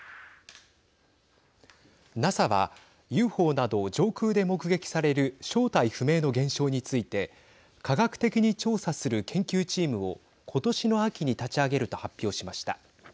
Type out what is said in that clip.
ＮＡＳＡは、ＵＦＯなど上空で目撃される正体不明の現象について科学的に調査する研究チームをことしの秋に立ち上げると発表しました。